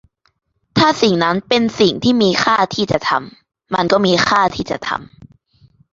ถ้าสิ่งนั้นเป็นสิ่งที่มีค่าที่จะทำ มันก็มีค่าที่จะทำ